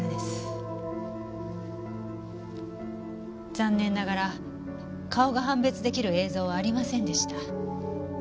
残念ながら顔が判別出来る映像はありませんでした。